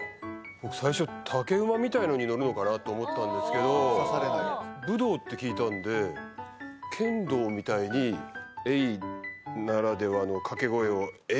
僕最初竹馬みたいのに乗るのかなと思ったんですけど武道って聞いたんで剣道みたいにあっ！